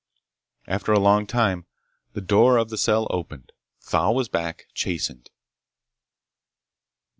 After a long time the door of the cell opened. Thal was back, chastened.